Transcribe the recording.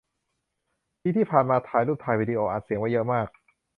ปีที่ผ่านมา ถ่ายรูป ถ่ายวีดิโอ อัดเสียง ไว้เยอะมาก